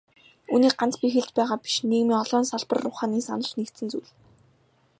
Үүнийг ганц би хэлж байгаа биш, нийгмийн олон салбар ухааны санал нэгдсэн зүйл.